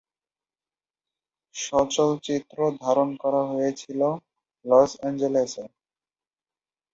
সচল চিত্র ধারণ করা হয়েছিলো লস অ্যাঞ্জেলেসে।